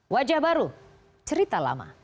wajah baru cerita lama